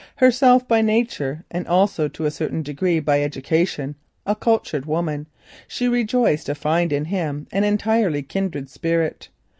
Herself by nature, and also to a certain degree by education, a cultured woman, she rejoiced to find in him an entirely kindred spirit.